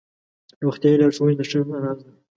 روغتیایي لارښوونې د ښه ژوند راز دی.